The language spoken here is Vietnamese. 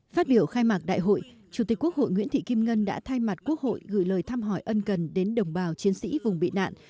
phát biểu khai mạc đại hội chủ tịch quốc hội nguyễn thị kim ngân đã thay mặt quốc hội gửi lời thăm hỏi ân cần đến đồng bào chiến sĩ vùng bị nạn